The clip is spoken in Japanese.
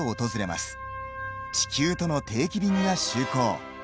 地球との定期便が就航。